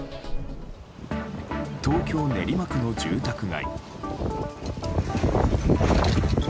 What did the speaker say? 東京・練馬区の住宅街。